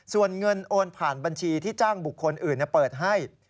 ส่วนเงินโอนผ่านบัญชีที่จ้างบุคคลอื่นเปิดให้